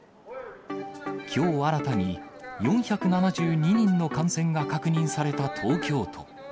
きょう新たに４７２人の感染が確認された東京都。